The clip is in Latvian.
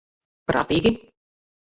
Prātīgi.